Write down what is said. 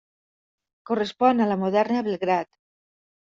Correspon a la moderna Belgrad.